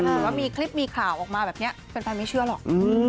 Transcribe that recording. เหมือนว่ามีคลิปมีข่าวออกมาแบบนี้แฟนไม่เชื่อหรอก